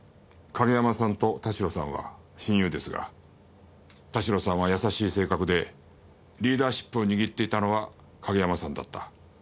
景山さんと田代さんは親友ですが田代さんは優しい性格でリーダーシップを握っていたのは景山さんだった。